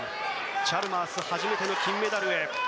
チャルマース初めての金メダルへ。